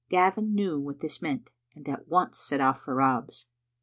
Gavin knew what this meant, and at once set off for Rob's.